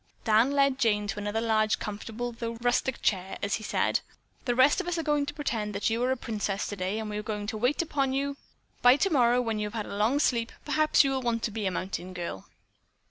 Dan led Jane to another large comfortable though rustic chair as he said: "The rest of us are going to pretend that you are a princess today and we are going to wait upon you. By tomorrow, when you have had a long sleep, perhaps you will want to be a mountain girl."